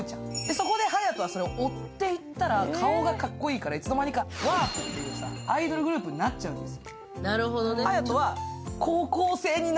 そこで隼人は追っていったら顔がかっこいいからいつの間にかアイドルグループになっちゃうんです。